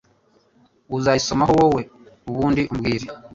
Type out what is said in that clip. uzayisomaho woe ubundi umbwire